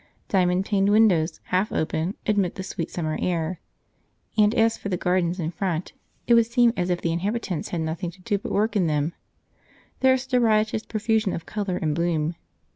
Diamond paned windows, half open, admit the sweet summer air; and as for the gardens in front, it would seem as if the inhabitants had nothing to do but work in them, there is such a riotous profusion of colour and bloom.